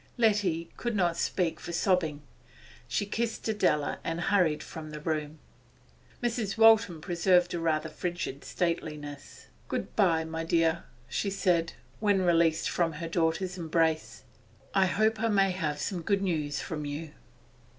Letty could not speak for sobbing; she just kissed Adela and hurried from the room. Mrs. Waltham preserved a rather frigid stateliness. 'Good bye, my dear,' she said, when released from her daughter's embrace. 'I hope I may have good news from you.